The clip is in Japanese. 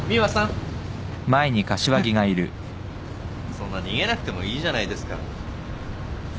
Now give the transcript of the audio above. そんな逃げなくてもいいじゃないですか。